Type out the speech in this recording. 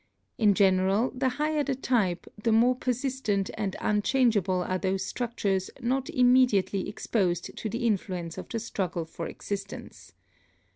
In general the higher the type the more persistent and unchangeable are those struc tures not immediately exposed to the influence of the struggle for existence.